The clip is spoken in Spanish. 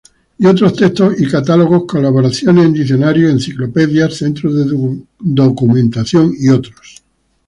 Y otros textos y catálogos, colaboraciones en diccionarios, enciclopedias, centros de documentación y otros.